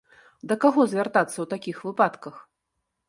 Да каго звяртацца ў такіх выпадках?